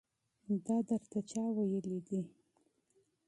دا درته چا ويلي دي.